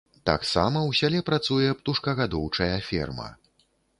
Таксама ў сяле працуе птушкагадоўчая ферма.